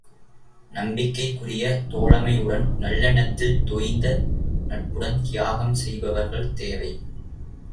நம்பிக்கைக்குரிய தோழமையுடன் நல்லெண்ணத்தில் தோய்ந்த நட்புடன் தியாகம் செய்பவர்கள் தேவை!